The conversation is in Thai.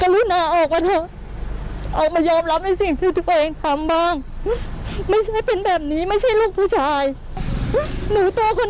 ไม่ใช่ค่ะหนูไม่ยอมหนูจะเอาเรื่องถึงพิสูจน์ด้วยค่ะ